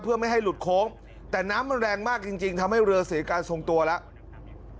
เพื่อไม่ให้หลุดโค้งแต่น้ำมันแรงมากจริงทำให้เรือเสียการทรงตัวแล้ว